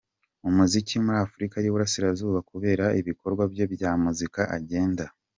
umuziki muri Afurika yUburasirazuba kubera ibikorwa bye bya muzika agenda.